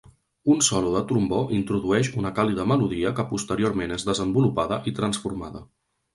Un solo de trombó introdueix una càlida melodia que posteriorment és desenvolupada i transformada.